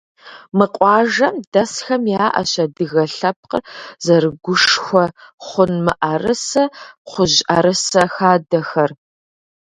Мы къуажэм дэсхэм яӏэщ адыгэ лъэпкъыр зэрыгушхуэ хъун мыӏэрысэ, кхъужь ӏэрысэ хадэхэр.